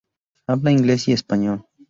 Habla Ingles y Español.